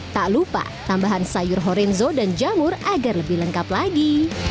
tak lupa tambahan sayur horenzo dan jamur agar lebih lengkap lagi